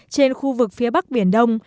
trên khu vực phía bắc biển đông